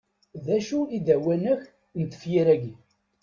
D acu i d awanek n tefyir-agi?